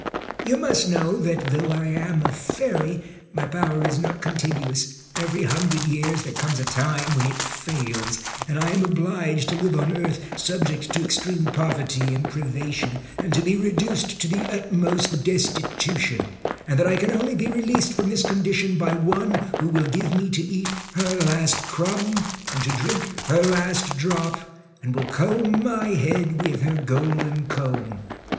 You must know that though I am a fairy, my power is not continuous, every hundred years there comes a time when it fails, and I am obliged to live on earth subject to ex treme poverty and privation, and to be reduced to the utmost destitution, and that I can only be released from this condition by one who will give me to eat her last crumb, and to drink her last drop, and will comb my head with her golden comb.